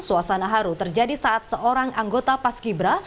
suasana haru terjadi saat seorang anggota pas kibra